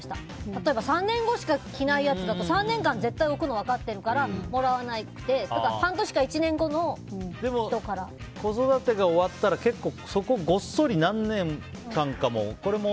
例えば３年後しか着ないやつだと３年間使わないの絶対分かってるから、もらわなくて子育てが終わったらごっそり何年間かこれも！